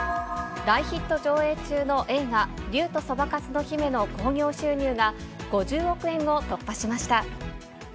大ヒット上映中の映画、竜とそばかすの姫の興行収入が５０億円を突破しました。